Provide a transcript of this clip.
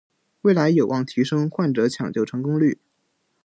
未来有望提升患者抢救成功率